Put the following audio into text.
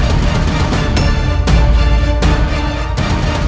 aku sudah betapa puluh tahun